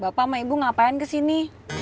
bapak sama ibu ngapain kesini